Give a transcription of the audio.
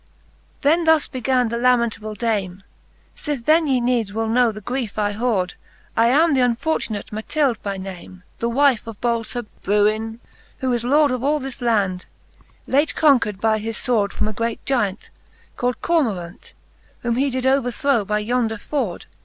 XXIX. Then thus began the lamentable dame; Sith then ye needs will know the griefe I hoord^,, I am th'unfortunate Matilde by name. The wife of bold Sir Bruin, who is lord Of all this land, late conquer'd by his fword^' From a great gyant, called' Cormoraunt ; Whom he did overthrow by yonder foord